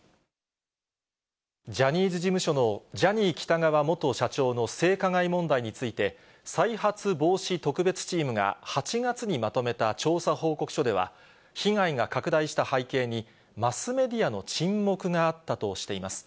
ジャニーズ事務所のジャニー喜多川元社長の性加害問題について、再発防止特別チームが８月にまとめた調査報告書では、被害が拡大した背景に、マスメディアの沈黙があったとしています。